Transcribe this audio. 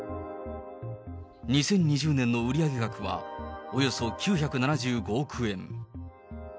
２０２０年の売上額はおよそ９７５億円。